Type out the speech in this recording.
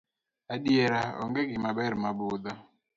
Adiera onge gima ber mabudho.